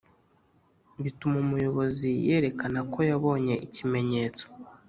bituma umuyobozi yerekana ko yabonye ikimenyetso